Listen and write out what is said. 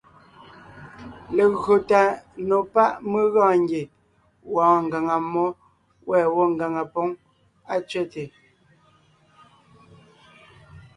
Legÿo tà nò pá’ mé gɔɔn ngie wɔɔn ngàŋa mmó, wὲ gwɔ́ ngàŋa póŋ á tsẅέte.